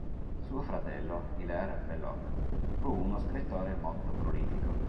Suo fratello, Hilaire Belloc, fu uno scrittore molto prolifico.